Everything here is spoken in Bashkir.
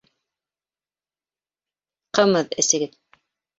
Ҡымыҙ әсегеҙ!